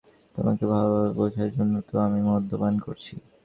তোমাকে ভালোভাবে বুঝার জন্যই তো আমি মদ্যপান করছি।